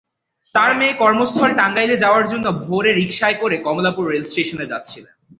তাঁর মেয়ে কর্মস্থল টাঙ্গাইলে যাওয়ার জন্য ভোরে রিকশায় করে কমলাপুর রেলস্টেশনে যাচ্ছিলেন।